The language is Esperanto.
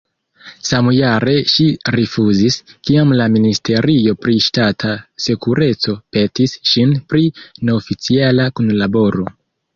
Samjare ŝi rifuzis, kiam la ministerio pri ŝtata sekureco petis ŝin pri neoficiala kunlaboro.